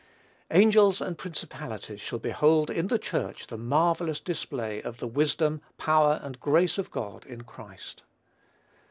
Angels and principalities shall behold in the Church the marvellous display of the wisdom, power, and grace of God in Christ.